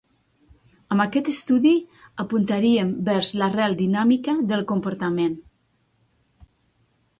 Amb aquest estudi apuntaríem vers l'arrel dinàmica del comportament.